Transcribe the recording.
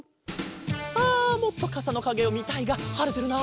あもっとかさのかげをみたいがはれてるな。